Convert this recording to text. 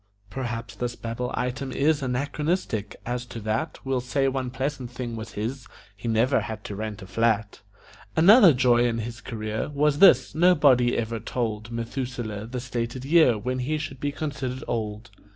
(Perhaps this Babel item is Anachronistic; as to that We'll say one pleasant thing was his: He never had to rent a flat.) Another joy in his career Was this: nobody ever told Methuselah the stated year When he should be considered old.